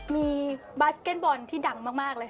มีบาสเก็ตบอลที่ดังมากเลยค่ะ